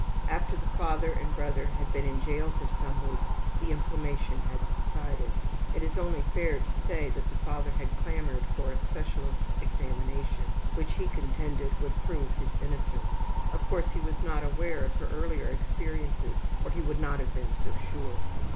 After the father and brother had been in jail for some weeks the inflammation had subsided. (It is only fair to say that the father had clamored for a specialist's examination, which, he contended, would prove his innocence. Of course he was not aware of her earlier experiences or he would not have been so sure.)